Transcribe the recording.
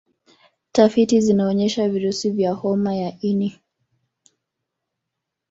Tafiti zinaonyesha virusi vya homa ya ini